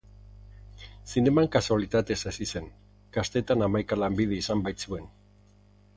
Zineman kasualitatez hasi zen, gaztetan hamaika lanbide izan baitzuen.